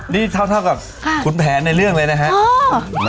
นี่เท่ากับขุนแผนในเรื่องเลยนะครับ